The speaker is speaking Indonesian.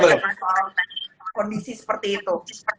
soal kondisi seperti itu